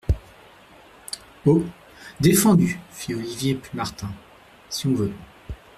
Oh ! défendu, fit Olivier Plumartin ; si on veut.